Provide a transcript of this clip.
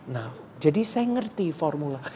nah jadi saya ngerti formula